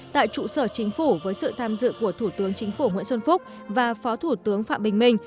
tại trụ sở chính phủ với sự tham dự của thủ tướng chính phủ nguyễn xuân phúc và phó thủ tướng phạm bình minh